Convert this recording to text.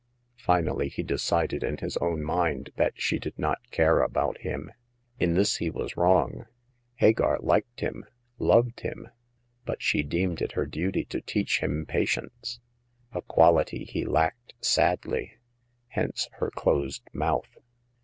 Finally he decided in his own mind that she did not care about him. In this he was wrong. Hagar liked him — loved him ; but she deemed it her duty to teach him patience — a quality he lacked sadly. Hence her closed mouth.